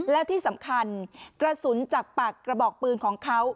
แล้วที่สำคัญกระสุนจากปากกระบอกปืนของเขา